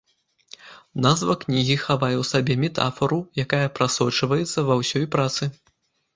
Назва кнігі хавае ў сабе метафару, якая прасочваецца ва ўсёй працы.